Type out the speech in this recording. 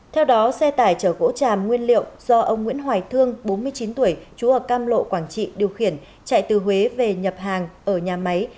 theo đó xe tải chở gỗ tràm nguyên liệu do ông nguyễn hoài thương bốn mươi chín tuổi chú ở cam lộ quảng trị điều khiển chạy từ huế về nhập hàng ở nhà máy